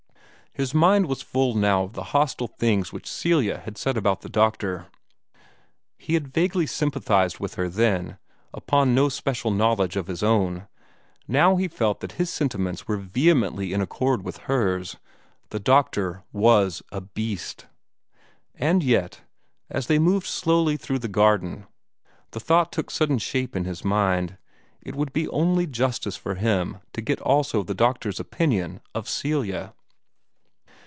His mind was full now of the hostile things which Celia had said about the doctor. He had vaguely sympathized with her then, upon no special knowledge of his own. Now he felt that his sentiments were vehemently in accord with hers. The doctor WAS a beast. And yet as they moved slowly along through the garden the thought took sudden shape in his mind it would be only justice for him to get also the doctor's opinion of Celia.